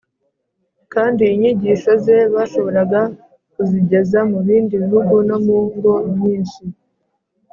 kandi inyigisho ze bashoboraga kuzigeza mu bindi bihugu no mu ngo nyinshi